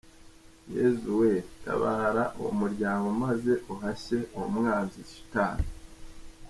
Yezu we, tabara uwo muryango maze uhashye uwo mwanzi shitani.